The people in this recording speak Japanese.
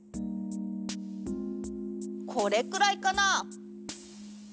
これくらいかな？